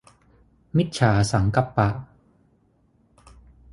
มิจฉาสังกัปปะ